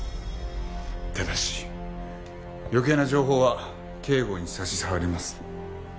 ただし余計な情報は警護に差し障ります。